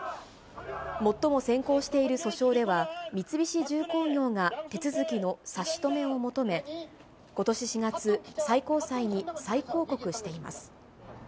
最も先行している訴訟では、三菱重工業が手続きの差し止めを求め、ことし４月、最高裁に再抗告しています。